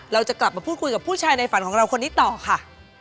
เราจะกลับมาพูดคุยกับผู้ชายในฝันของเราคนนี้ต่อค่ะ